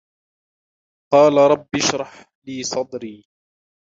قَالَ رَبِّ اشْرَحْ لِي صَدْرِي